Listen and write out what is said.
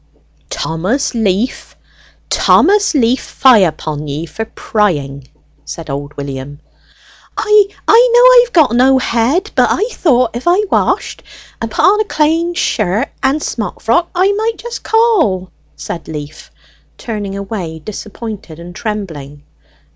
"Thomas Leaf, Thomas Leaf, fie upon ye for prying!" said old William. "I know I've got no head, but I thought, if I washed and put on a clane shirt and smock frock, I might just call," said Leaf, turning away disappointed and trembling.